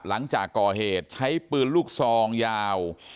หลังจากก่อเหตุใช้ปืนลูกซองยาว